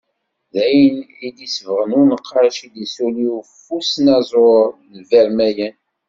Dayen i d-isebgen unqac i d-isuli ufusnaẓur n Vermeyene.